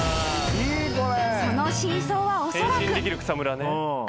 ［その真相はおそらく］